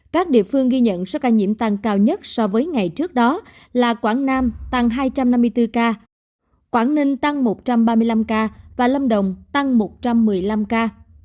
các địa phương ghi nhận số ca nhiễm tăng cao nhất so với ngày trước đó là quảng nam tăng hai trăm năm mươi bốn ca quảng ninh tăng một trăm ba mươi năm ca và lâm đồng tăng một trăm một mươi năm ca